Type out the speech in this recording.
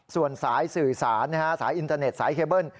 ส่วนสายสื่อสารสายอินเทอร์เน็ตสายเคเบิ้ล